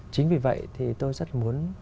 chính vì vậy thì tôi rất muốn